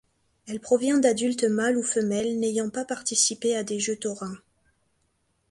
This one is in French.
Elle provient d'adultes mâles ou femelles, n'ayant pas participé à des jeux taurins.